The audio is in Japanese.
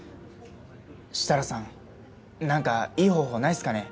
設楽さんなんかいい方法ないっすかね？